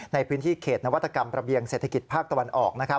ในพื้นที่เขตนวัตกรรมระเบียงเศรษฐกิจภาคตะวันออก